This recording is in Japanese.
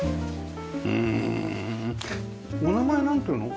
お名前なんていうの？